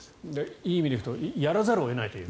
いい意味でいうとやらざるを得ないと。